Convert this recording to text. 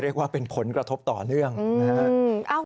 เรียกว่าเป็นผลกระทบต่อเนื่องนะครับ